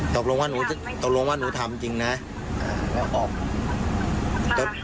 ตกลงว่าหนูตกลงว่าหนูทำจริงเนี่ย